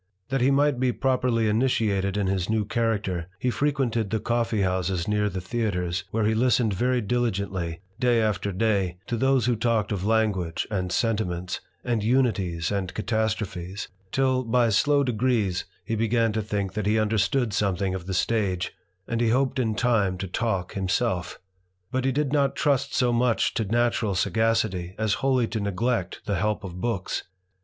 That he might be pro perly initiated in his new character, he frequented th( coffee houses near the theatres, where he listened ver] diligently, day after day, to those who talked of languag< and sentiments, and unities and catastrophes, till, by slofl degrees, he began to think that he understood something o the stage, and hoped in time to talk himself. But he did not trust so much to natural sagacity a^ wholly to neglect the help of books.